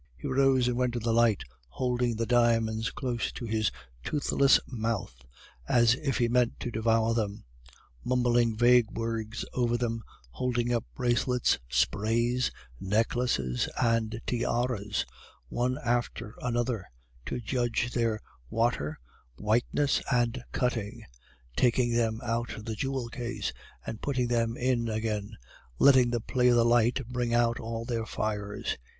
He rose and went to the light, holding the diamonds close to his toothless mouth, as if he meant to devour them; mumbling vague words over them, holding up bracelets, sprays, necklaces, and tiaras one after another, to judge their water, whiteness, and cutting; taking them out of the jewel case and putting them in again, letting the play of the light bring out all their fires.